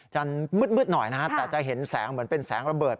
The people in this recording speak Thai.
จะมืดหน่อยนะฮะแต่จะเห็นแสงเหมือนเป็นแสงระเบิด